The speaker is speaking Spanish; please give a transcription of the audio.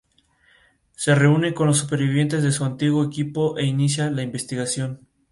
Se reúne con los supervivientes de su antiguo equipo e inicia la investigación.